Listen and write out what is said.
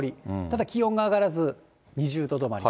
ただ、気温が上がらず、２０度止まり。